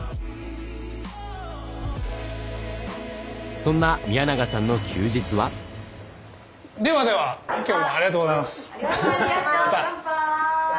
そんな宮永さんの休日は？ではでは今日はありがとうございます。